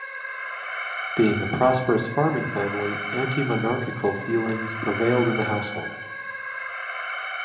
Being a prosperous farming family, anti-monarchical feelings prevailed in the household.